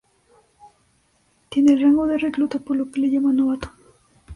Tiene el rango de recluta, por lo que le llaman novato.